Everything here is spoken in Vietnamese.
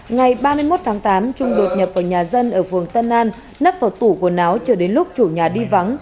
ngày ba mươi một tháng tám trung đột nhập vào nhà dân ở phường tân an nắp vào tủ quần áo cho đến lúc chủ nhà đi vắng